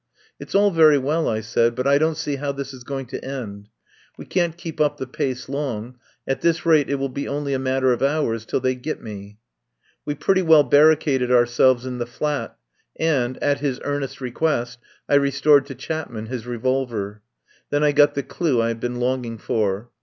"It's all very well," I said, "but I don't see how this is going to end. We can't keep up 157 THE POWER HOUSE the pace long. At this rate it will be only a matter of hours till they get me." We pretty well barricaded ourselves in the flat, and, at his earnest request, I restored to Chapman his revolver. Then I got the clue I had been longing for.